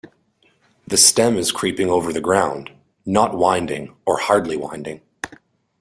The stem is creeping over the ground, not winding or hardly winding.